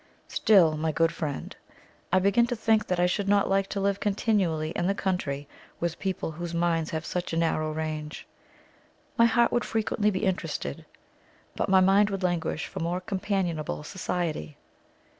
Still, my good friend, I begin to think that I should not like to live continually in the country with people whose minds have such a narrow range. My heart would frequently be interested; but my mind would languish for more companionable society.